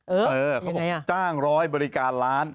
เออจ้างร้อยบริการล้าน